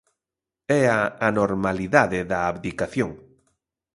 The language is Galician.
E a anormalidade da abdicación.